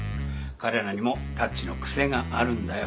彼らにもタッチの癖があるんだよ。